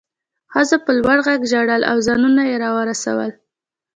ښځو په لوړ غږ ژړل او ځانونه یې راورسول